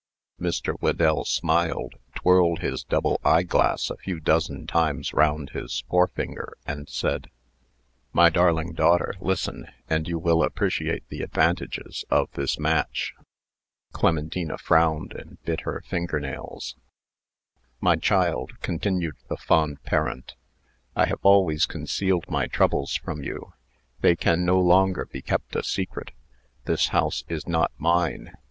Mr. Whedell smiled, twirled his double eyeglass a few dozen times round his forefinger, and said: "My darling daughter, listen, and you will appreciate the advantages of this match." Clementina frowned, and bit her finger nails. "My child," continued the fond parent, "I have always concealed my troubles from you. They can no longer be kept a secret. This house is not mine.